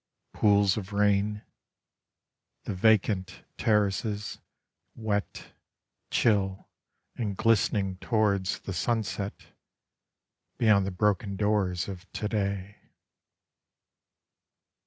Pools of rain the vacant terraces Wet, chill and glistening Towards the sunset beyond the broken doors of to day.